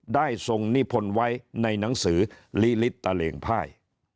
ได้ทรงนิพลไว้ในหนังสือลิลิตะเลงพ่าย